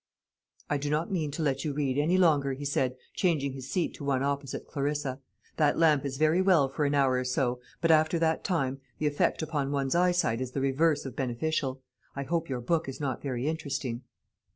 "I do not mean to let you read any longer," he said, changing his seat to one opposite Clarissa. "That lamp is very well for an hour or so, but after that time the effect upon one's eyesight is the reverse of beneficial. I hope your book is not very interesting."